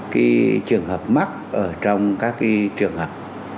cái việc mà có cái trường hợp mắc ở trong các cái trường hợp